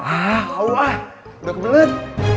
ah allah udah kebelet